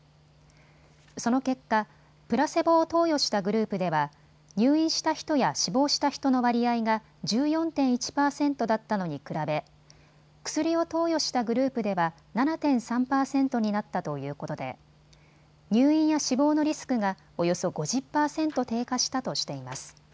その結果、プラセボを投与したグループでは入院した人や死亡した人の割合が１４．１％だったのに比べ薬を投与したグループでは７．３％になったということで入院や死亡のリスクがおよそ５０％低下したとしています。